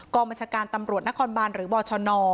บัญชาการตำรวจนครบานหรือบชน